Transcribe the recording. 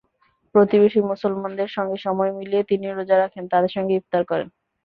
প্রতিবেশী মুসলমানদের সঙ্গে সময় মিলিয়ে তিনিও রোজা রাখেন, তাঁদের সঙ্গে ইফতার করেন।